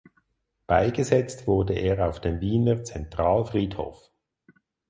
Beigesetzt wurde er auf dem Wiener Zentralfriedhof.